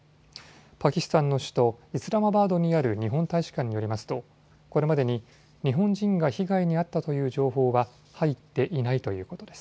パキスタンの首都、イスラマバードにある日本大使館によりますとこれまでに日本人が被害に遭ったという情報は入っていないということです。